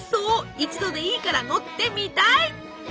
一度でいいから乗ってみたい！